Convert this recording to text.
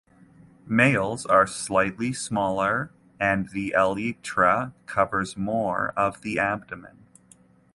Males are slightly smaller and the elytra covers more of the abdomen.